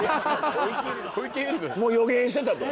もう予言してたと。